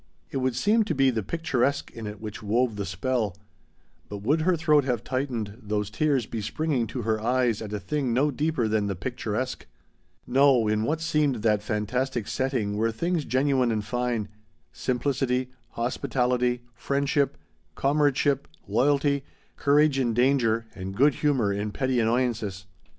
It would seem to be the picturesque in it which wove the spell; but would her throat have tightened, those tears be springing to her eyes at a thing no deeper than the picturesque? No, in what seemed that fantastic setting were things genuine and fine: simplicity, hospitality, friendship, comradeship, loyalty, courage in danger and good humor in petty annoyances.